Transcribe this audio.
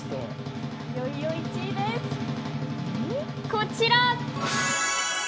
こちら！